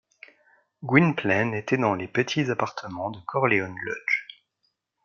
Gwynplaine était dans les petits appartements de Corleone-lodge.